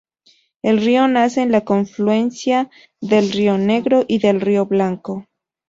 El río nace en la confluencia del río Negro y del río Blanco.